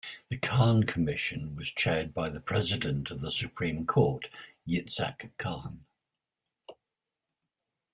The Kahan Commission was chaired by the President of the Supreme Court, Yitzhak Kahan.